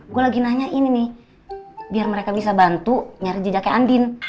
gue lagi nanya ini nih biar mereka bisa bantu nyari jejaknya andin